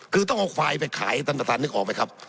คือต้องเอาควายไปขายท่านประธานนึกออกไหมครับ